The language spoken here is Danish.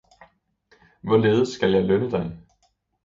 Hvorledes skal jeg lønne dig?